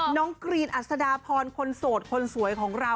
กรีนอัศดาพรคนโสดคนสวยของเรา